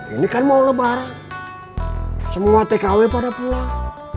ini kan mau lebaran semua tkw pada pulang